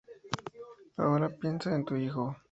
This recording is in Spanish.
Ahora piensa en tu hijo.